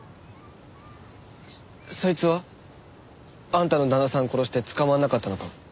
そそいつは？あんたの旦那さん殺して捕まらなかったのか？